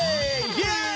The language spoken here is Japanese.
イエーイ！